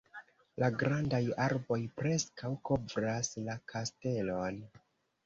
La grandaj arboj preskaŭ kovras la kastelon.